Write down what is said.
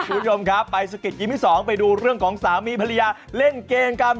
คุณยมครับไปสกิตยิมที่๒ไปดูเรื่องของสามีภรรยาเล่นเกงกัน